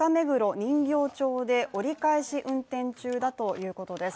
人形町で折り返し運転中ということです。